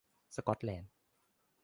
สกอตแลนด์